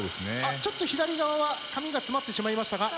ちょっと左側は紙が詰まってしまいましたが。